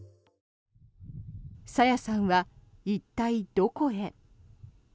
朝芽さんは一体どこへ。